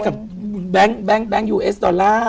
แค่กับแบงค์ยูเอสดอลลาร์